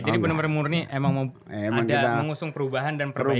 jadi benar benar murni emang ada mengusung perubahan dan perbaikan gitu